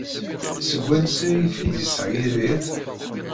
Seg wansi ay t-id-yesɣa Yidir?